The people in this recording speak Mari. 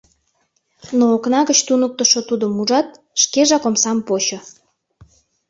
Но окна гыч туныктышо тудым ужат, шкежак омсам почо.